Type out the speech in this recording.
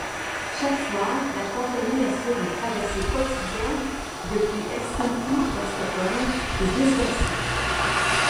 Chaque soir, la compagnie assure une traversée quotidienne depuis Helsinki vers Stockolm et vice-versa.